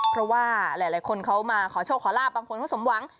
เพราะว่าหลายคนเขามาขอโชคขอลาบบางคนเขาสมหวัง